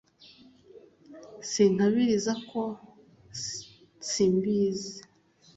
Sinkabiriza ko simbizi.